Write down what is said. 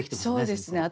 そうですね。